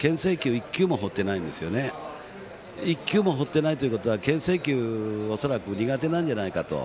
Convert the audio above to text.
１球も放っていないということはけん制球が恐らく苦手なんじゃないかと。